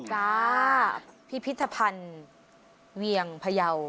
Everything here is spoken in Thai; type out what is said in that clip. จ้าพิพิธภัณฑ์เวียงพยาว